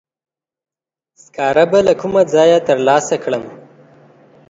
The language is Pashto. سکاره به له کومه ځایه تر لاسه کړم؟